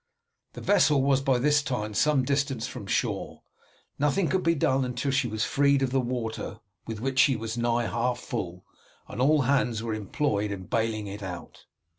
The vessel was by this time some distance from shore. Nothing could be done until she was freed of the water, with which she was nigh half full, and all hands were employed in bailing it out.